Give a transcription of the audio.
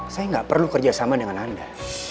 saya nggak perlu kerjasama dengan anda